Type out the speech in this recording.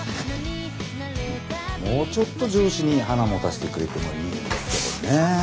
もうちょっと上司に花持たせてくれてもいいんですけどね。